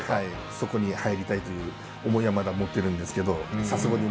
そこに入りたいという思いはまだ持ってるんですけど。